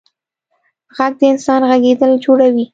غږ د انسان غږېدل جوړوي.